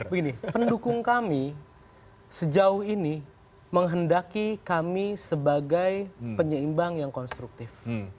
begini pendukung kami sejauh ini menghendaki kami sebagai penyeimbang yang konstruktif